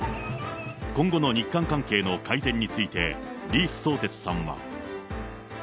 今後の日韓関係の改善について、李相哲さんは。